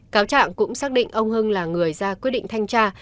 cáo trạng cũng xác định ông hưng là người ra quyết định thanh tra